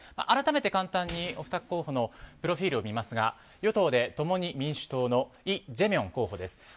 改めて簡単に２候補のプロフィールを見ますが与党で共に民主党のイ・ジェミョン候補です。